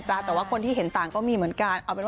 แต่ว่าคนที่เห็นต่างก็มีเหมือนกัน